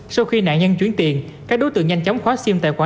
sau khi nạn nhân chuyển tiền các đối tượng nhanh chóng khóa sim tài khoản